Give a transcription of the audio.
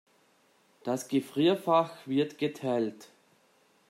Das Gefrierfach wird geteilt.